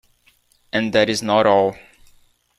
And that is not all.